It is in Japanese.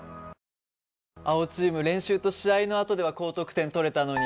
青チーム練習と試合のあとでは高得点取れたのに。